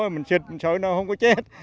mình xịt mình sợ nó không có chết